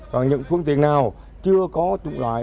còn những phương tiện nào chưa có chủ loại